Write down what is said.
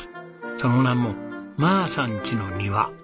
その名も「まーさんちの庭」。